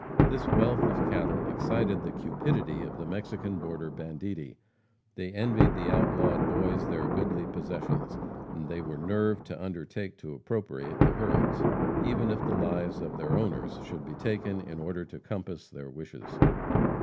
This wealth of cattle excited the cupidity of the Mexican border banditti. They envied the outlawed boys their goodly possessions; and they were nerved to undertake to appropriate the herds, even if the lives of the owners should be taken in order to compass their wishes.